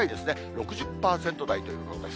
６０％台ということです。